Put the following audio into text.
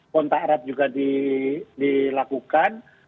kontak arab juga dilakukan